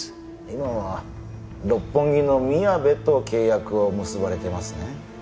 今は六本木のみやべと契約を結ばれてますね？